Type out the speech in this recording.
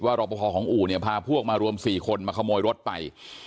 ว่ารบประคอของอู๋เนี่ยพาพวกมารวมสี่คนมาขโมยรถไป